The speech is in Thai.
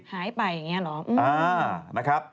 หายไปอย่างนี้หรอ